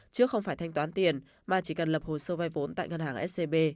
trước không phải thanh toán tiền mà chỉ cần lập hồ sơ vai vốn tại ngân hàng scb